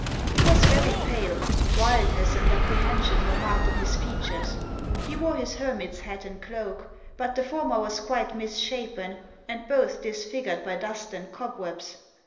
He was very pale, wildness and apprehension were marked on his features. He wore his hermit's hat and cloak, but the former was quite mis shapen, and both disfigured by dust and cobwebs.